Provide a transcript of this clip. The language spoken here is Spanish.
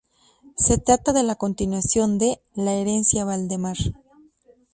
Se trata de la continuación de "La herencia Valdemar".